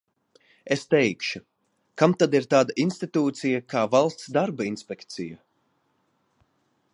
Es teikšu: kam tad ir tāda institūcija kā Valsts darba inspekcija?